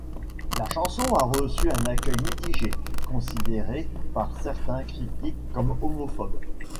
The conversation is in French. La chanson a reçu un accueil mitigé, considérée par certains critiques comme homophobe.